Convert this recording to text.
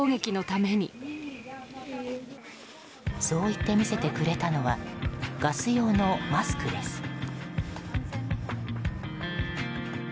そう言って見せてくれたのはガス用のマスクです。